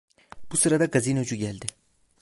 Bu sırada gazinocu geldi.